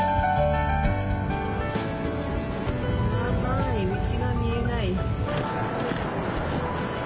寒い、道が見えない。